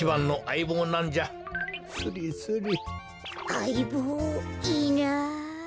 あいぼういいなあ。